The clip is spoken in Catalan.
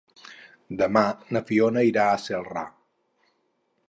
Demà na Fiona irà a Celrà.